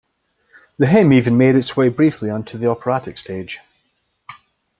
The hymn even made its way briefly onto the operatic stage.